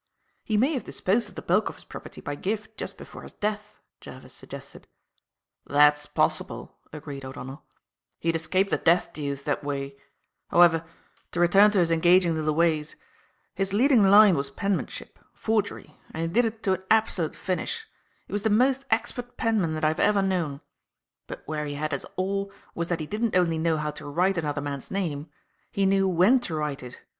"He may have disposed of the bulk of his property by gift just before his death," Jervis suggested. "That's possible," agreed O'Donnell. "He'd escape the death dues that way. However, to return to his engaging little ways. His leading line was penmanship forgery and he did it to an absolute finish. He was the most expert penman that I have ever known. But where he had us all was that he didn't only know how to write another man's name; he knew when to write it.